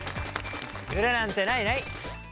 ズレなんてないない！